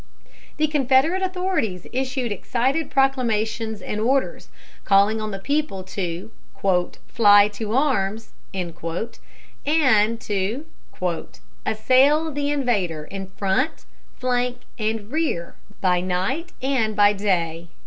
The Confederate authorities issued excited proclamations and orders, calling on the people to "fly to arms," and to "assail the invader in front, flank, and rear, by night and by day."